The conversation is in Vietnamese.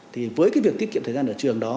thì với cái việc tiết kiệm thời gian ở trường đó